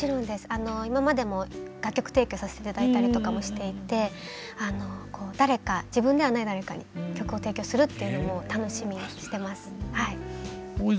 あの今までも楽曲提供させて頂いたりとかもしていてあの誰か自分ではない誰かに曲を提供するっていうのも楽しみにしてますはい。